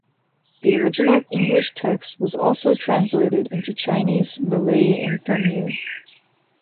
The original English text was also translated into Chinese, Malay and Tamil.